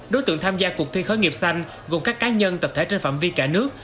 đối tượng tham gia cuộc thi khởi nghiệp xanh gồm các cá nhân tập thể trên phạm vi cả nước